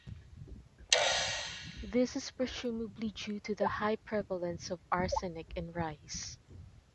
This is presumably due to the high prevalence of arsenic in rice.